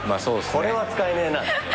これは使えねえなたぶん。